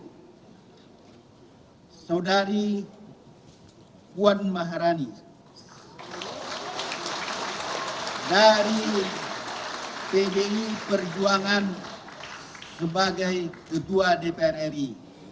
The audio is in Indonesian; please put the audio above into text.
bersama saudari puan maharani dari pdi perjuangan sebagai ketua dpr ri